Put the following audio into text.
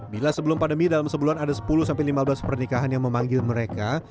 bila sebelum pandemi dalam sebulan ada sepuluh sampai lima belas pernikahan yang memanggil mereka